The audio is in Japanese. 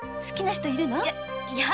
好きな人いるの？